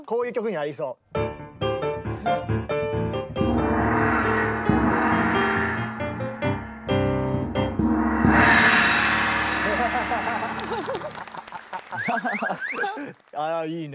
あいいね。